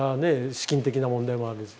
資金的な問題もある。